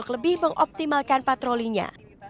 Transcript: lebih mengoptimalkan patrolinya